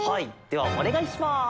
ではおねがいします。